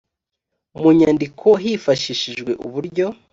mu nyandiko hifashishijwe uburyo